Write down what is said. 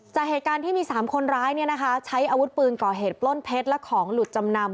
จากเหตุการณ์ที่มี๓คนร้ายใช้อาวุธปืนก่อเหตุปล้นเพชรและของหลุดจำนำ